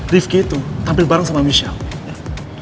rifki itu tampil bareng sama michelle